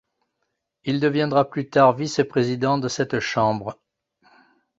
Il deviendra plus tard vice-président de cette chambre.